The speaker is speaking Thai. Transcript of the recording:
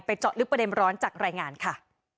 เจาะลึกประเด็นร้อนจากรายงานค่ะ